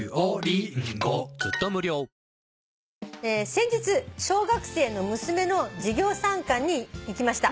「先日小学生の娘の授業参観に行きました」